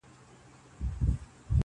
قاسم یاره چي سپېڅلی مي وجدان سي,